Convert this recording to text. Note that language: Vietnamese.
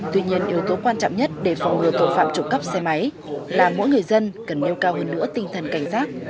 tuy nhiên yếu tố quan trọng nhất để phòng ngừa tội phạm trộm cắp xe máy là mỗi người dân cần nêu cao hơn nữa tinh thần cảnh giác